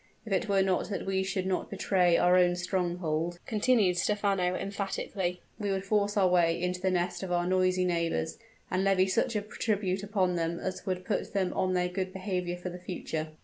If it were not that we should not betray our own stronghold," continued Stephano, emphatically, "we would force our way into the nest of our noisy neighbors, and levy such a tribute upon them as would put them on their good behavior for the future."